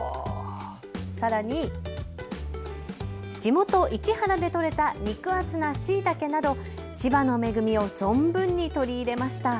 さらに地元市原で採れた肉厚なしいたけなど千葉の恵みを存分に取り入れました。